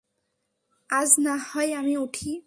আজ নাহয় আমি উঠি।